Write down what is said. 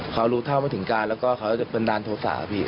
เขารู้ท่าเอาไม่ถึงการแล้วก็เขาอาจเป็นบันดาลโทษะใช่ปะพี่